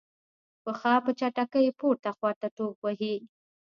پښه په چټکۍ پورته خواته ټوپ وهي.